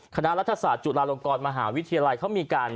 คณะรัฐศาสตร์จุฬาลงกรมหาวิทยาลัยเขามีการ